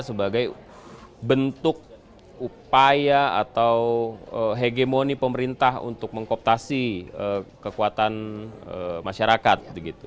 sebagai bentuk upaya atau hegemoni pemerintah untuk mengkooptasi kekuatan masyarakat